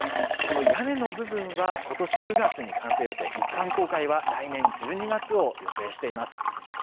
この屋根の部分はことし９月に完成予定、一般公開は来年１２月を予定しています。